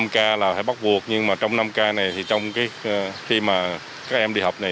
năm k là phải bắt buộc nhưng mà trong năm k này thì trong cái khi mà các em đi học này